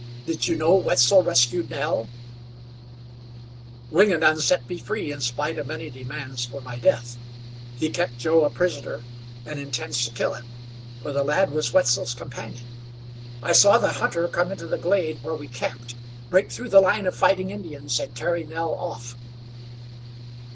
Did you know Wetzel rescued Nell?" "Wingenund set me free in spite of many demands for my death. He kept Joe a prisoner, and intends to kill him, for the lad was Wetzel's companion. I saw the hunter come into the glade where we camped, break through the line of fighting Indians and carry Nell off."